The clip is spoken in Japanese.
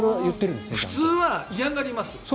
普通は嫌がります。